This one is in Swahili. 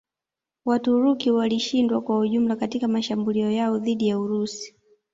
Waturuki walishindwa kwa ujumla katika mashambulio yao dhidi ya Urusi